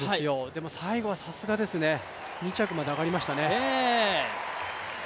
でも最後はさすがですね、２着まで上がりましたね。